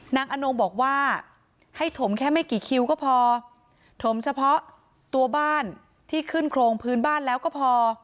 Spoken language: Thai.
อนงบอกว่าให้ถมแค่ไม่กี่คิวก็พอถมเฉพาะตัวบ้านที่ขึ้นโครงพื้นบ้านแล้วก็พอ